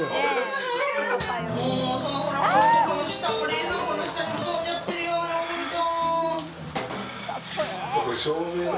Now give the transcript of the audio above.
冷蔵庫の下にも飛んじゃってるよ、ヨーグルト。